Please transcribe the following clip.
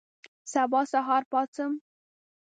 سبا سهار پاڅم